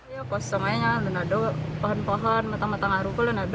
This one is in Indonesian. ya posisinya ada pohon pohon mata mata ngaru itu ada